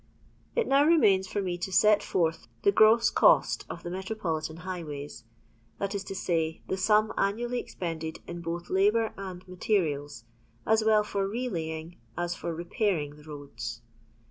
It now remains for me to set forth the gross cost of the metropolitan highways, that is to say, the sum annually expended in both Ubour and materuils, as well for relaying as for repairing the roads.